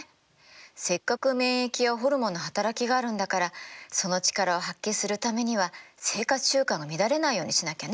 せっかく免疫やホルモンの働きがあるんだからその力を発揮するためには生活習慣が乱れないようにしなきゃね。